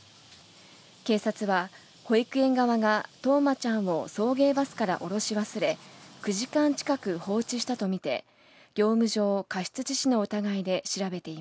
警察は、保育園側が冬生ちゃんを送迎バスから降ろし忘れ、９時間近く放置したと見て、業務上過失致死の疑いで調べてい